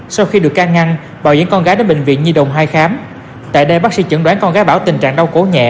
sau khi được ca ngăn bảo dẫn con gái đến bệnh viện nhi đồng hai khám tại đây bác sĩ chẩn đoán con gái bảo tình trạng đau cố nhẹ